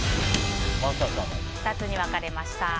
２つに分かれました。